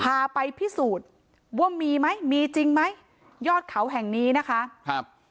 พาไปพิสูจน์ว่ามีไหมมีจริงไหมยอดเขาแห่งนี้นะคะครับ